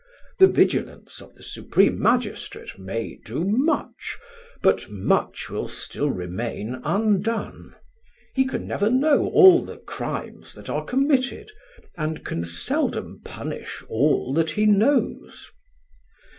The vigilance of the supreme magistrate may do much, but much will still remain undone. He can never know all the crimes that are committed, and can seldom punish all that he knows."